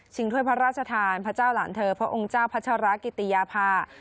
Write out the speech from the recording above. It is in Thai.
ถ้วยพระราชทานพระเจ้าหลานเธอพระองค์เจ้าพัชรกิติยาภา